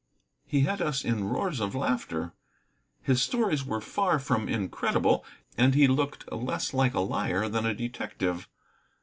He had us in roars of laughter. His stories were far from incredible, and he looked less like a liar than a detective.